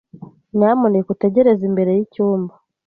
Nyamuneka utegereze imbere yicyumba .